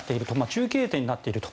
中継点になっていると。